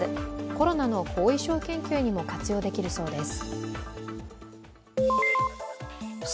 コロナの後遺症研究にも活用できるそうです。